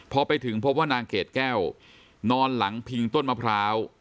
พอไปถึงพบว่านางเกดแก้วนอนหลังพิงต้นมะพร้าว